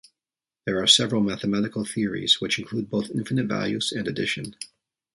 There are several mathematical theories which include both infinite values and addition.